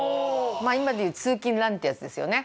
まあ今でいう通勤ランってやつですよね。